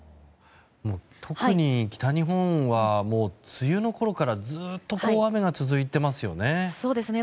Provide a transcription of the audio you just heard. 特に北日本は梅雨のころからずっと雨が続いていますよね。